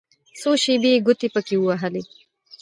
څو شېبې يې ګوتې پکښې ووهلې.